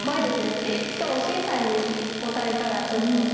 しかも謝さんにオサれたらちょっと。